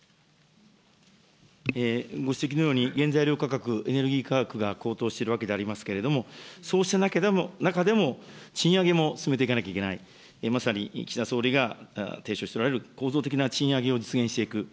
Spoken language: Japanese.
ご指摘のように、原材料価格、エネルギー価格が高騰しているわけでありますけれども、そうした中でも、賃上げも進めていかなければいけない、まさに岸田総理が提唱しておられる構造的な賃上げを実現していく。